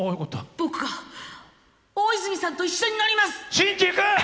僕が大泉さんと一緒に乗ります！